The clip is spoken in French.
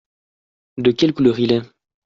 De quelle couleur il est ?